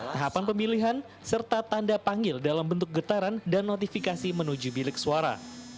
tahapan pemilihan serta tanda panggil dalam bentuk getaran dan notifikasi menuju bilik suara